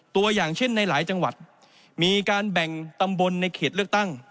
ตัวอย่างเช่นในหลายจังหวัดมีการแบ่งตำบลในเขตเลือกตั้ง